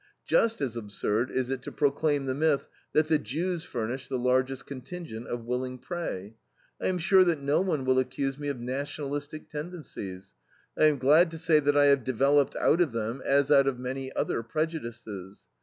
Just as absurd is it to proclaim the myth that the Jews furnish the largest contingent of willing prey. I am sure that no one will accuse me of nationalistic tendencies. I am glad to say that I have developed out of them, as out of many other prejudices.